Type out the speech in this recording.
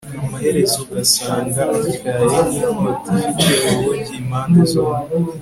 amaherezo ugasanga atyaye nk'inkota ifite ubugi impande zombi